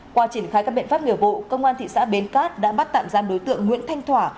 qua triển khai các biện pháp nghiệp vụ công an thị xã bến cát đã bắt tạm giam đối tượng nguyễn thanh thỏa